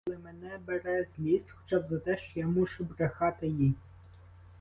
Але мене бере злість, хоча б за те, що я мушу брехати їй.